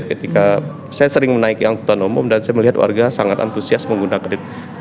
ketika saya sering menaiki angkutan umum dan saya melihat warga sangat antusias menggunakan itu